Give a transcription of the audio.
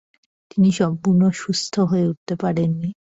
তিনি সম্পূর্ণ সুস্থ্য হয়ে উঠতে পারেন নি।